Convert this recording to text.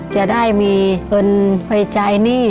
จะได้มีเงินไฟใจนี่